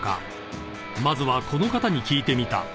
［まずはこの方に聞いてみた］